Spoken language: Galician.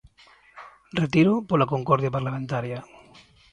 Retíroo pola concordia parlamentaria.